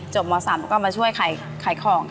จบม๓แล้วก็มาช่วยขายของ